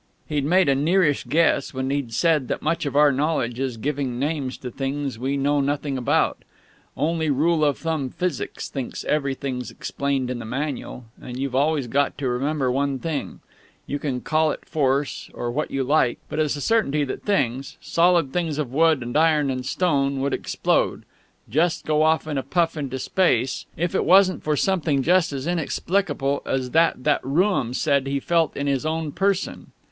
He'd made a nearish guess when he'd said that much of our knowledge is giving names to things we know nothing about; only rule of thumb Physics thinks everything's explained in the Manual; and you've always got to remember one thing: You can call it Force or what you like, but it's a certainty that things, solid things of wood and iron and stone, would explode, just go off in a puff into space, if it wasn't for something just as inexplicable as that that Rooum said he felt in his own person.